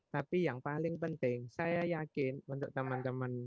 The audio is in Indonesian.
tapi yang paling penting saya yakin untuk teman teman